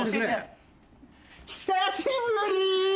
久しぶり！